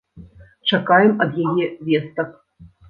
Чакаем ад яе вестак.